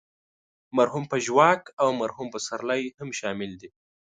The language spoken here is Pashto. مرحوم پژواک او مرحوم پسرلی هم شامل دي.